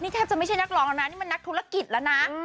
นี่แทบจะไม่ใช่นักรองนะเมื่อนนักธุรกิจแล้วนะ